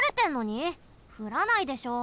ふらないでしょ。